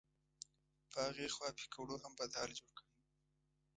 په هغې خوا پیکوړو هم بد حال جوړ کړی و.